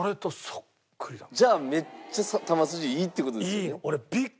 じゃあめっちゃ球筋いいって事ですよね？